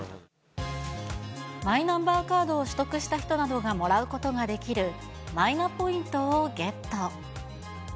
マイナンバーカードを取得した人などがもらうことができる、マイナポイントをゲット。